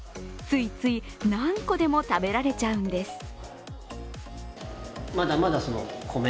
ついつい、何個でも食べられちゃうんです。